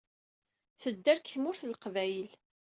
Tedder deg Tmurt n Leqbayel.